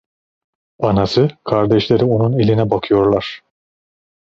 Anası, kardeşleri onun eline bakıyorlar.